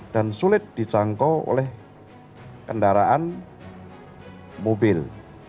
dan sulit dijangkau oleh kendaraan mobil